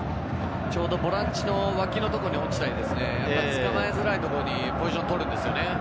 ちょうどボランチの脇のところに落ちたり、捕まえづらい所にポジションを取るんですよね。